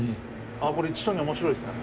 あっこれ１と２面白いですね。